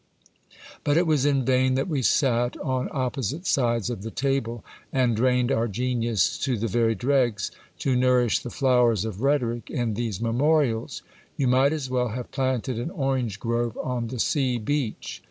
But it was in vain that we sat on opposite sides of the table, and drained our genius to the very dregs, to nourish the flowers of rhetoric in these memorials ; you might as well have planted an orange grove on the sea beach.